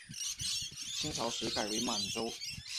清朝时改为满洲。